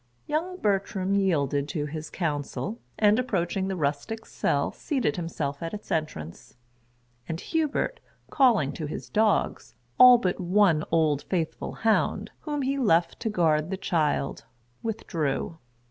Young Bertram yielded to his[Pg 18] counsel; and, approaching the rustic cell, seated himself at its entrance; and Hubert, calling to his dogs, all but one old faithful hound, whom he left to guard the child, withdrew.